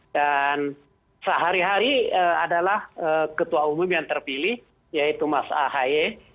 dan sehari hari adalah ketua umum yang terpilih yaitu mas ahy